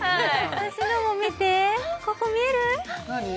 私のも見てここ見える？何？